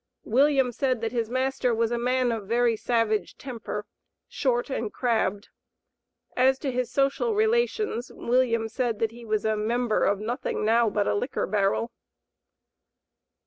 William said that his master was a man of very savage temper, short, and crabbed. As to his social relations, William said that he was "a member of nothing now but a liquor barrel."